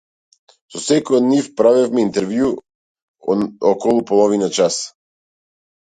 Со секој од нив правевме интервју од околу половина час.